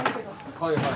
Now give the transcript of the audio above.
はいはい。